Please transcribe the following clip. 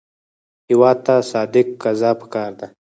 هېواد ته صادق قضا پکار ده